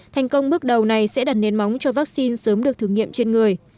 thành công bước đầu này sẽ đặt nền móng cho vaccine sớm được thử nghiệm trên người